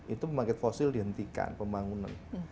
itu pembangkit fosil dihentikan pembangunan